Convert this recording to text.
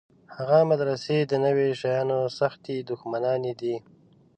هغه مدرسې د نویو شیانو سختې دښمنانې دي.